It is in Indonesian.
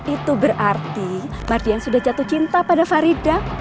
itu berarti mardian sudah jatuh cinta pada farida